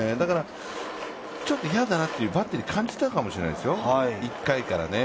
ちょっと嫌だなとバッテリーは感じたかもしれないですよ、１回からね。